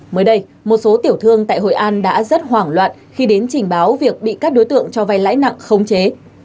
mới đây một số tiểu thương tại hội an đã rất hoảng loạn khi đến trình báo việc bị các đối tượng cho vay lãi nặng khống chế